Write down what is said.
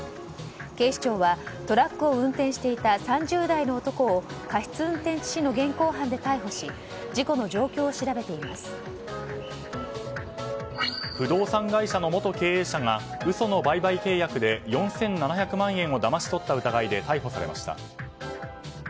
警視庁はトラックを運転していた３０代の男を過失運転致傷の現行犯で逮捕し不動産会社の元経営者が嘘の売買契約で４７００万円をだまし取った疑いで逮捕されました。